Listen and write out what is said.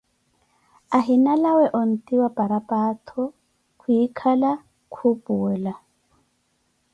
Ahina lawee nti wa paraphato, kwikala khuupuwela